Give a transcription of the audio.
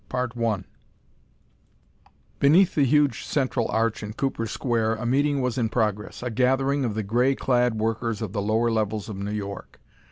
_] Beneath the huge central arch in Cooper Square a meeting was in progress a gathering of the gray clad workers of the lower levels of New York.